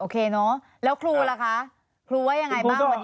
โอเคเนอะแล้วครูล่ะคะครูว่ายังไงบ้าง